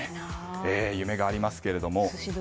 夢がありますけれども。